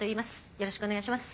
よろしくお願いします。